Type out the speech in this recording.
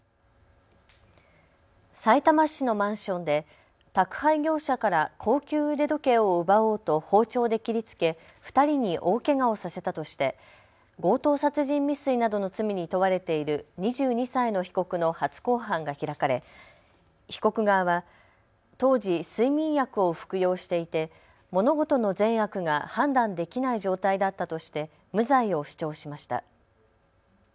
さいたま市のマンションで宅配業者から高級腕時計を奪おうと包丁で切りつけ２人に大けがをさせたとして強盗殺人未遂などの罪に問われている２２歳の被告の初公判が開かれ被告側は当時、睡眠薬を服用していて物事の善悪が判断できない状態だったとして無罪を主張しました。